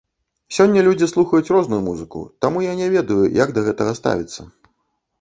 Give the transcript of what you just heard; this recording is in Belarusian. Сёння людзі слухаюць розную музыку, таму я не ведаю, як да гэтага ставіцца.